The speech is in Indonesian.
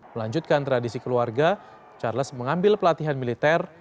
melanjutkan tradisi keluarga charles mengambil pelatihan militer